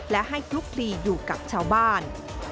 และให้คลุกคลีอยู่กับชาวบ้าน